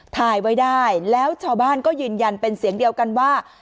ถ่ายไว้ได้แล้วชาวบ้านก็ยืนยันเป็นเสียงเดียวกันว่า